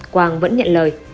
quang vẫn nhận lời